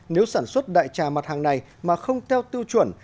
nếu sản xuất đại trà mặt hàng này mà không theo tiêu chuẩn